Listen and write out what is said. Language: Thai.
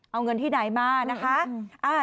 เอาเงินที่ไหนมานะคะ